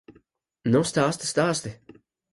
Nu stāsti, stāsti!